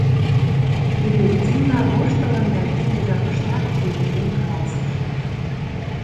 — Эвердина воштылын да тиде жапыштак чеверген каласыш.